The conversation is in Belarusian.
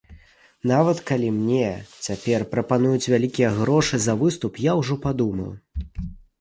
Нават калі мне цяпер прапануюць вялікія грошы за выступ, я ужо падумаю.